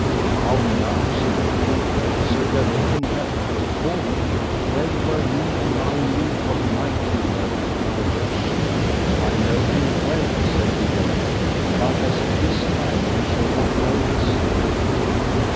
How now, said the king, Sir Gawaine hath a fall; well were me an I knew what knight he were with the red shield. I know him well, said Dinadan, but as at this time ye shall not know his name.